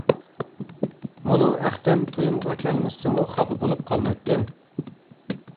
مۇنۇ ئەختەم تويۇمغا كەلمىسىمۇ خاپا بولۇپ قالمايتتىم.